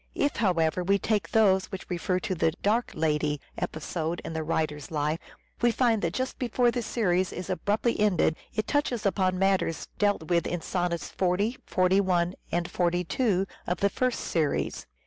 If, however, we take those which refer to the " dark lady " episode in the writer's life, we find that just before the series is abruptly ended it touches upon matters dealt with in sonnets 40, 41, and 42 of the first series.